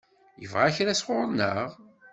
Yebɣa kra sɣur-neɣ?